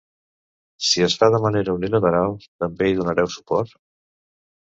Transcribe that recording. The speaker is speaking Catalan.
Si es fa de manera unilateral, també hi donareu suport?